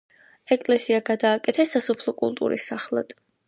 ეკლესია გადააკეთეს სასოფლო კულტურის სახლად.